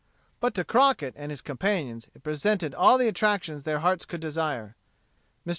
But to Crockett and his companions it presented all the attractions their hearts could desire. Mr.